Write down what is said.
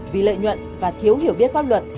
vì lợi nhuận và thiếu hiểu biết pháp luật